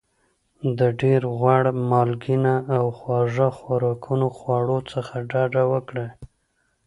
د ډېر غوړ مالګېنه او خواږه خوراکونو خواړو څخه ډاډه وکړئ.